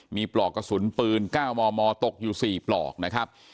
มีปลอกกระสุนปืน๙มมตกอยู่๔ปลอกนะครับ